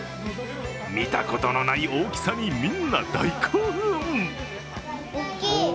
見たことのない大きさに、みんな大興奮。